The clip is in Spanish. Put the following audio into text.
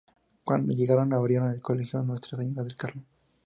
Cuando llegaron abrieron el Colegio Nuestra Señora del Carmen.